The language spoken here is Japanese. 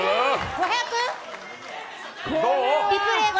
５００？